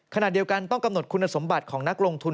ขณะเดียวกันต้องกำหนดคุณสมบัติของนักลงทุน